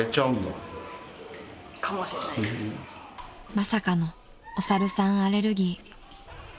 ［まさかのお猿さんアレルギー］